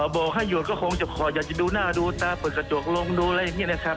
บอกให้หยุดก็คงจะขออยากจะดูหน้าดูตาเปิดกระจกลงดูอะไรอย่างนี้นะครับ